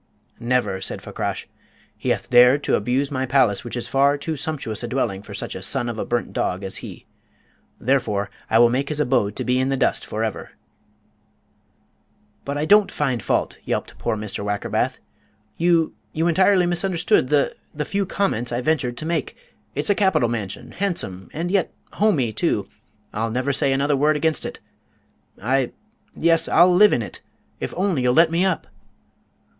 "Never," said Fakrash. "He hath dared to abuse my palace, which is far too sumptuous a dwelling for such a son of a burnt dog as he. Therefore, I will make his abode to be in the dust for ever." "But I don't find fault," yelped poor Mr. Wackerbath. "You you entirely misunderstood the the few comments I ventured to make. It's a capital mansion, handsome, and yet 'homey,' too. I'll never say another word against it. I'll yes, I'll live in it if only you'll let me up?"